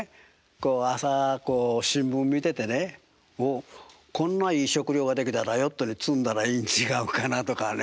朝新聞見ててねおっこんないい食料が出来たらヨットに積んだらいいん違うかなとかね。